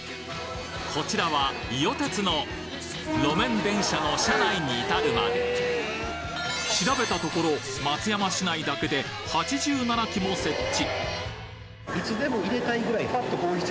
こちらは伊予鉄の路面電車の車内に至るまで調べたところ松山市内だけで８７基も設置！